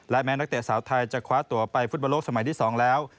และแม้นักเตะสาวไทยจะคว้าตัวไปฟุตบอลโลกสมัยที่๒แล้ว